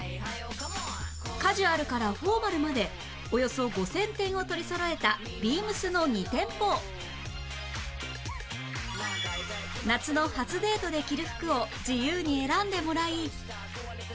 カジュアルからフォーマルまでおよそ５０００点を取りそろえたビームスの２店舗夏の初デートで着る服を自由に選んでもらい